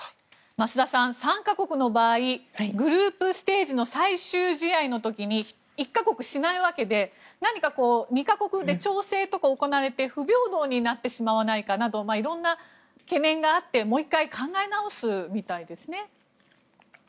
増田さん、３か国の場合グループステージの最終試合の時に１か国しないわけで何か２か国で調整とか行われて不平等になってしまわないかなど色んな懸念があってもう１回考え直すみたいですね。